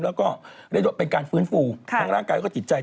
แล้วก็เรียกได้ว่าเป็นการฟื้นฟูทั้งร่างกายแล้วก็จิตใจ